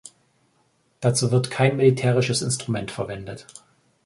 Dazu wird kein militärisches Instrument verwendet.